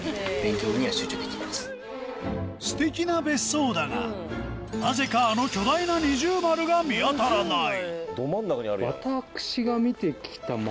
素敵な別荘だがなぜかあの巨大な二重丸が見当たらない！